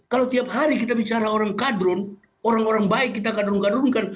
kalau tiap hari kita bicara orang kadrun orang orang baik kita kadrun kadrunkan